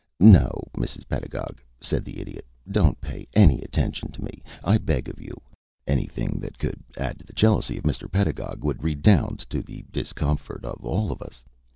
"No, Mrs. Pedagog," said the Idiot, "don't pay any attention to me, I beg of you. Anything that could add to the jealousy of Mr. Pedagog would redound to the discomfort of all of us.